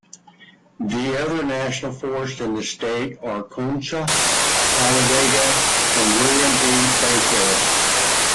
The other National Forests in the state are Conecuh, Talladega and William B. Bankhead.